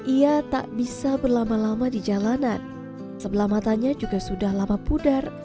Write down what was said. ia tak bisa berlama lama di jalanan sebelah matanya juga sudah lama pudar